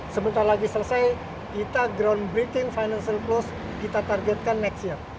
sebentar lagi selesai kita groundbreaking financial close kita targetkan next year